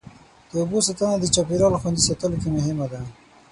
د اوبو ساتنه د چاپېریال خوندي ساتلو کې مهمه ده.